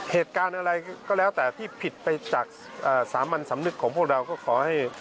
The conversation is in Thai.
เหตุการณ์อะไรก็แล้วแต่ที่ผิดไปจากสามัญสำนึกของพวกเราก็ขอให้